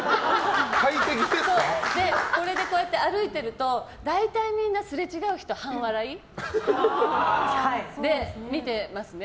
これで、歩いてると大体みんなすれ違う人は半笑いで見てますね。